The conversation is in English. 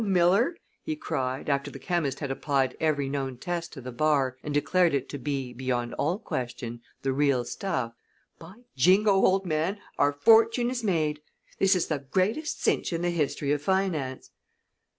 Miller," he cried, after the chemist had applied every known test to the bar and declared it to be, beyond all question, the real stuff, "by Jingo, old man, our fortune is made. This is the greatest cinch in the history of finance."